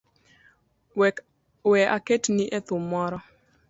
We aketni e thum moro.